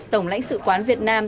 tổng lãnh sự quán việt nam